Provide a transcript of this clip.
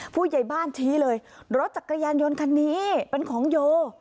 ผู้ใหญ่บ้านชี้เลยรถจักรยานยนต์คันนี้เป็นของโย